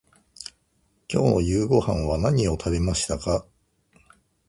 今日の夕ごはんは何を食べましたか。